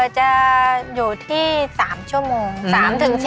จะอยู่ที่๓ชั่วโมง๓๔ชั่วโมง